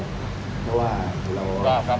เพราะว่าเรา